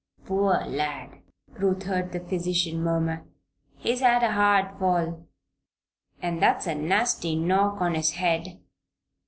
"Poor lad!" Ruth heard the physician murmur. "He has had a hard fall and that's a nasty knock on his head."